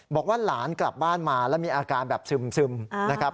บอกว่าหลานกลับบ้านมาแล้วมีอาการแบบซึมนะครับ